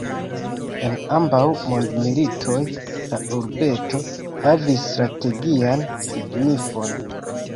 En ambaŭ mondmilitoj la urbeto havis strategian signifon.